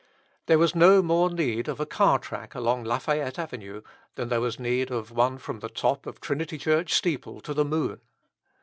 There was no more need of a car track along Lafayette avenue than there was need of one from the top of Trinity Church steeple to the moon!